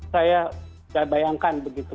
saya tidak bayangkan begitu